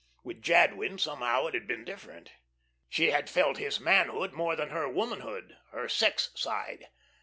With Jadwin somehow it had been different. She had felt his manhood more than her womanhood, her sex side.